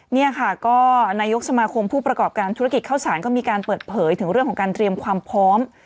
นี่ค่ะก็นายกสมาคมผู้ประกอบการธุรกิจเข้าสารก็มีการเปิดเผยถึงเรื่องของการเตรียมความพร้อม